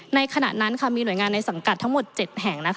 ในขณะนั้นมีหน่วยงานในสังกัดทั้งหมด๗แห่ง